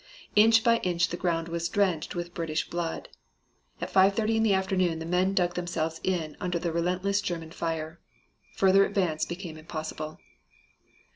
Inch by inch the ground was drenched with British blood. At 5.30 in the afternoon the men dug themselves in under the relentless German fire. Further advance became impossible.